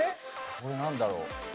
これなんだろう？